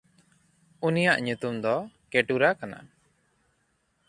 ᱩᱱᱤᱭᱟᱜ ᱧᱩᱛᱩᱢ ᱫᱚ ᱠᱮᱴᱩᱨᱟ ᱠᱟᱱᱟ᱾